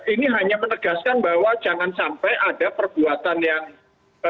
ini hanya menegaskan bahwa jangan sampai ada perbuatan yang